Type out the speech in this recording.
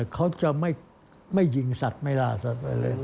เขาจะไม่ยิงสัตว์ไม่ล่าสัตว์อะไรเลย